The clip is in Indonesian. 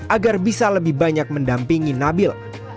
agar bisa lebih banyak mendampingi nabil